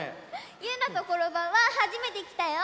ゆうなとコロバウははじめてきたよ！